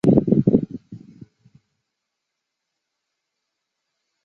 名字为斜体的球员在最佳球队名单公布之后入选了名人堂。